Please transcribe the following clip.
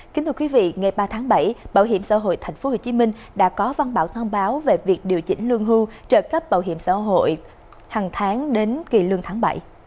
kính thưa quý vị ngày ba tháng bảy bảo hiểm xã hội tp hcm đã có văn bản thông báo về việc điều chỉnh lương hưu trợ cấp bảo hiểm xã hội hàng tháng đến kỳ lương tháng bảy